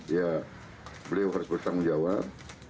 ya beliau harus bertanggung jawab